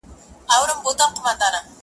ښه په ټینګه مي تعهد ور سره کړی,